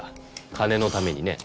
金のためにね。